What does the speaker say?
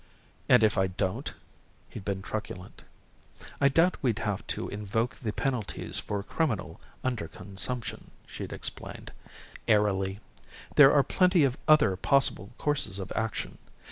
"And if I don't?" He'd been truculent. "I doubt we'd have to invoke the penalties for criminal underconsumption," she'd explained airily. "There are plenty of other possible courses of action.